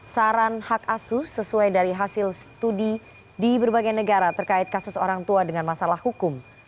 saran hak asuh sesuai dari hasil studi di berbagai negara terkait kasus orang tua dengan masalah hukum